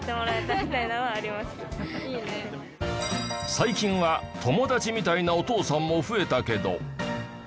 最近は友達みたいなお父さんも増えたけど。